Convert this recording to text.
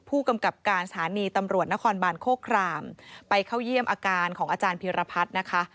ผู้กำกับการสถานีตำรวจนครบานโคครามไปเข้าเยี่ยมอาการของอาจารย์พิรพัฒน์นะคะ